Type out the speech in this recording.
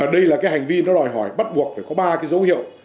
đây là cái hành vi nó đòi hỏi bắt buộc phải có ba cái dấu hiệu